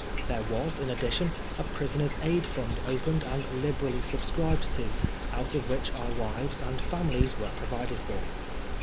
There was, in addition, a Prisoners' Aid Fund opened and liberally subscribed to, out of which our wives and families were provided for.